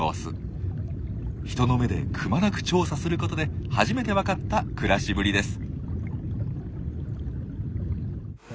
人の目でくまなく調査することで初めて分かった暮らしぶりです。